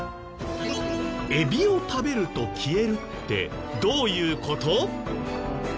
エビを食べると消えるってどういう事？